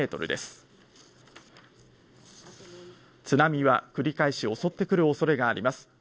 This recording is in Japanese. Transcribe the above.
津波は繰り返し襲ってくる恐れがあります。